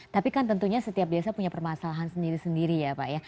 tapi kan tentunya setiap desa punya permasalahan sendiri sendiri ya pak ya